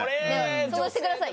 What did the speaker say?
想像してください